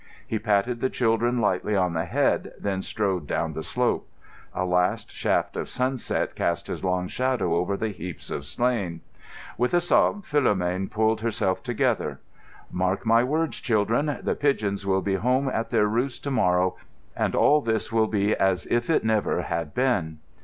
He patted the children lightly on the head, then strode down the slope. A last shaft of sunset cast his long shadow over the heaps of slain. With a sob Philomène pulled herself together. "Mark my words, children. The pigeons will be home at their roosts to morrow and all this will be as if it never had been."